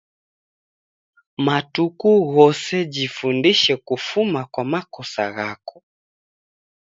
Matuku ghose jifundishe kufuma kwa makosa ghako